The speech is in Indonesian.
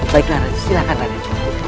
baiklah raden silahkan raden